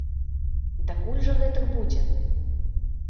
Дакуль жа гэтак будзе?